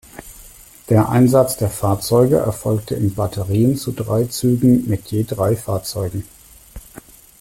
Der Einsatz der Fahrzeuge erfolgte in Batterien zu drei Zügen mit je drei Fahrzeugen.